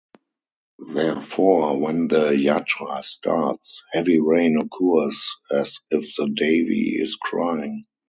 Therefore, when the yatra starts, heavy rain occurs as if the devi is crying.